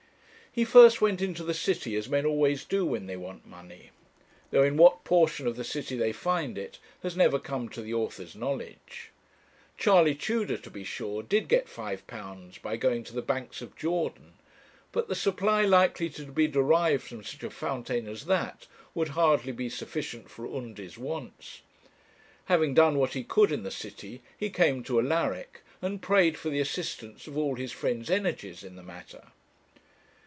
He first went into the city, as men always do when they want money; though in what portion of the city they find it, has never come to the author's knowledge. Charley Tudor, to be sure, did get £5 by going to the 'Banks of Jordan;' but the supply likely to be derived from such a fountain as that would hardly be sufficient for Undy's wants. Having done what he could in the city, he came to Alaric, and prayed for the assistance of all his friend's energies in the matter.